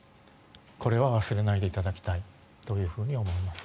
これは忘れないでいただきたいと思います。